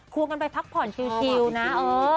ควบกันไปพักผ่อนเงียบอยู่